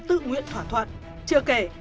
tự nguyện thỏa thuận chưa kể